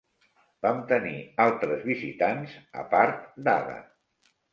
Vam tenir altres visitants a part d'Ada.